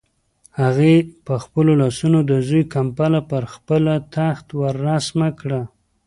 هغې په خپلو لاسو د زوی کمپله پر تخت ورسمه کړه.